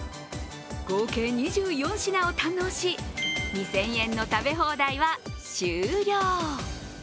合計２４品を堪能し２０００円の食べ放題は終了。